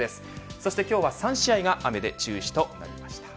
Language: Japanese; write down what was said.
そして今日は３試合が雨で中止となりました。